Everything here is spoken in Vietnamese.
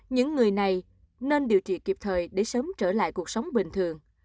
những người này nên điều trị kịp thời để sớm trở lại cuộc sống bình thường